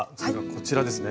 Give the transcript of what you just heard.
こちらですね。